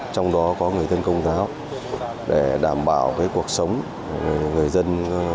trong đó có người dân công giáo để đảm bảo cuộc sống của người dân